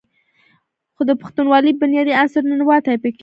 خو د پښتونولۍ بنيادي عنصر "ننواتې" پکښې